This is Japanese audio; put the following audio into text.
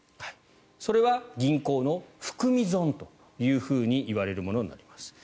それは銀行の含み損といわれるものになります。